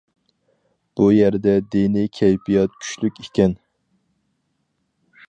بۇ يەردە دىنى كەيپىيات كۈچلۈك ئىكەن.